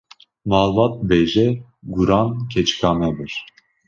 Malbat dibêje: Guran keçika me bir.